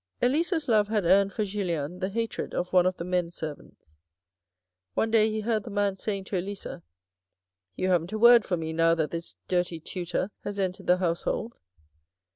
Elisa's love had earned for Julien the hatred of one of the men servants. One day he heard the man saying to Elisa, " You haven't a word for me now that this dirty tutor has entered the household."